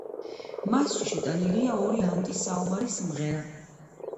მასში შეტანილია ორი ანტისაომარი სიმღერა.